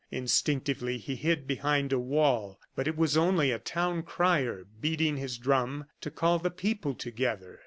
Instinctively he hid behind a wall. But it was only a town crier beating his drum to call the people together.